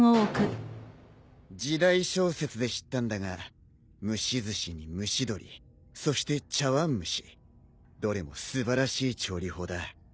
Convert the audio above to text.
時代小説で知ったんだが蒸しずしに蒸し鶏そして茶わん蒸しどれも素晴らしい調理法だ。